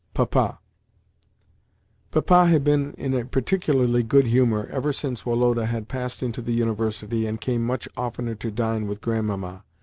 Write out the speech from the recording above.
PAPA Papa had been in a particularly good humour ever since Woloda had passed into the University, and came much oftener to dine with Grandmamma.